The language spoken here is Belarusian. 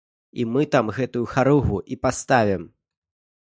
І мы там гэтую харугву і паставім.